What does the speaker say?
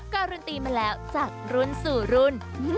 การันตีมาแล้วจากรุ่นสู่รุ่น